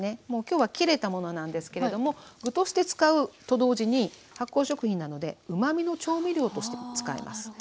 もう今日は切れたものなんですけれども具として使うと同時に発酵食品なのでうまみの調味料としても使えます。